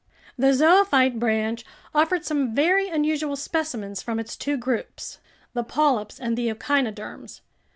The zoophyte branch offered some very unusual specimens from its two groups, the polyps and the echinoderms.